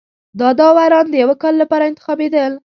دا داوران د یوه کال لپاره انتخابېدل